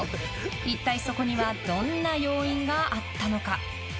一体そこにはどんな要因があったのか。